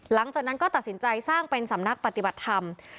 หลังจากนั้นก็ตัดสินใจสร้างเป็นสำนักปฏิบัติธรรม